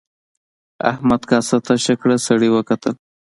احمد کاسه تشه کړه سړي وکتل.